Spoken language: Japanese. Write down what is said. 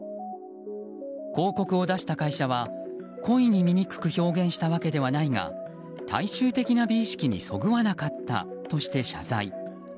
広告を出した会社は故意に醜く表現したわけではないが大衆的な美意識にそぐわなかったとして謝罪。